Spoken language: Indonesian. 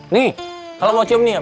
nih kalau mau cium nih